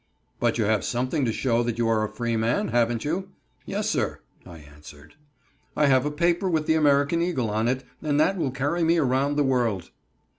"But you have something to show that you are a freeman, haven't you?" "Yes, sir," I answered; "I have a paper with the American Eagle on it, and that will carry me around the world."